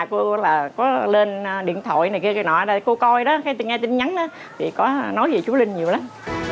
cô là có lên điện thoại này kia kia nọ cô coi đó nghe tin nhắn đó thì có nói về chú linh nhiều lắm